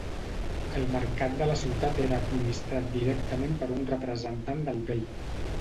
El mercat de la ciutat era administrat directament per un representant del bei.